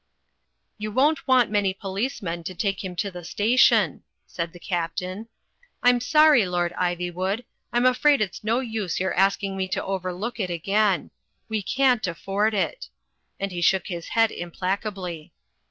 "You won't want many policemen to take him to the station," said the Captain. "I'm sorry, Lord Ivywood, I'm afraid it's no use your asking me to overlook it Digitized by CjOOQ iC i62 THE FLYING INN again. We can't afford it," and he shook his head implacably.